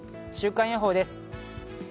週間予報です。